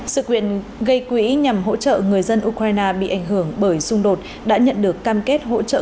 sự kiện gây quỹ nhằm hỗ trợ người dân ukraine bị ảnh hưởng bởi xung đột đã nhận được cam kết hỗ trợ